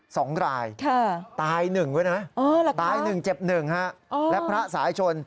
สองรายค่ะตายหนึ่งด้วยนะตายหนึ่งเจ็บหนึ่งฮะอ๋อและพระสายชน